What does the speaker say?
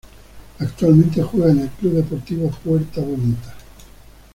Actualmente juega en el Club Deportivo Puerta Bonita.